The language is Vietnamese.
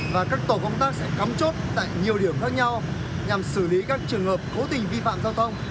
và các tổ công tác sẽ cắm chốt tại nhiều điểm khác nhau nhằm xử lý các trường hợp cố tình vi phạm giao thông